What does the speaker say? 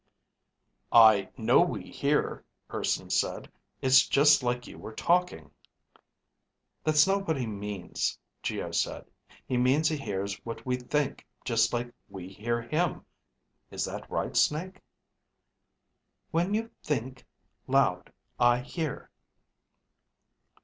_ "I know we hear," Urson said. "It's just like you were talking." "That's not what he means," Geo said. "He means he hears what we think just like we hear him. Is that right, Snake?" _When ... you ... think ... loud ... I ... hear.